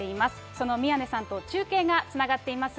その宮根さんと中継がつながっています。